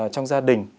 trong gia đình